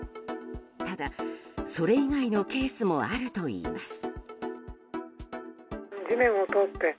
ただ、それ以外のケースもあるといいます。